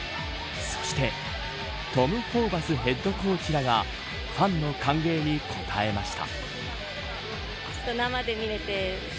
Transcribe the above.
そしてトム・ホーバスヘッドコーチらがファンの歓迎に応えました。